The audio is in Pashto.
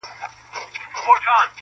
د سړي د کور په خوا کي یو لوی غار وو,